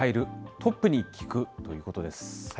トップに聞くということです。